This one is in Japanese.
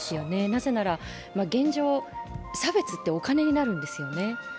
なぜなら現状、差別ってお金になるんですよね。